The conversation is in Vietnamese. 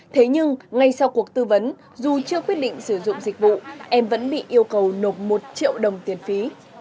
thế nhưng ngay sau cuộc tư vấn dù chưa quyết định sử dụng dịch vụ em vẫn bị yêu cầu nộp một triệu đồng tiền phí